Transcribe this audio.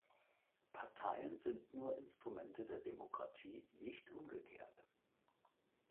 Parteien sind nur Instrumente der Demokratie, nicht umgekehrt.